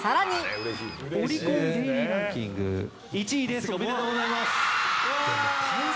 オリコンデイリーランキング１位です、おめでとうございます。